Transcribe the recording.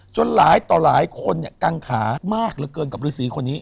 หลายต่อหลายคนเนี่ยกังขามากเหลือเกินกับฤษีคนนี้